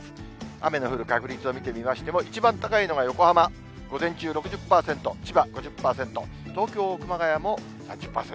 雨の降る確率を見てみましても、一番高いのが横浜、午前中６０％、千葉５０％、東京、熊谷も３０％。